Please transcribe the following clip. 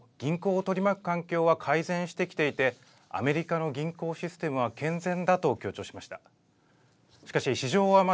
３月時点と比べても、銀行を取り巻く環境は改善してきていて、アメリカの銀行システムは健全だと強調しました。